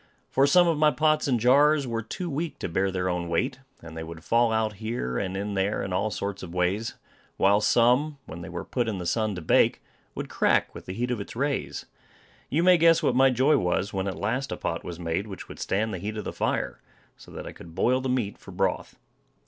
For some of my pots and jars were too weak to bear their own weight; and they would fall out here, and in there, in all sorts of ways; while some, when they were put in the sun to bake, would crack with the heat of its rays. You may guess what my joy was when at last a pot was made which would stand the heat of the fire, so that I could boil the meat for broth.